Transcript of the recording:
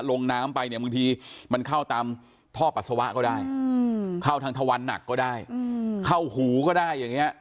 ลงน้ำไปเนี่ยบางทีมันเข้าตามท่อปัสสาวะก็ได้เข้าทางทวันหนักก็ได้เข้าหูก็ได้อย่างนี้